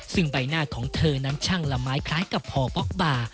ซึ่งใบหน้าของเธอนั้นช่างละไม้คล้ายกับห่อบ๊อกบาร์